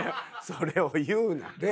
それを言うな。